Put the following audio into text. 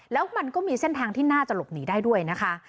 แล้วมันก็มีเส้นทางที่น่าจะหลบหนีได้ด้วยนะคะ